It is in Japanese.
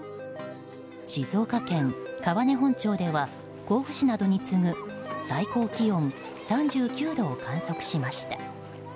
静岡県川根本町では甲府市などに次ぐ最高気温３９度を観測しました。